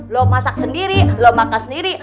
lo masak sendiri lo makan sendiri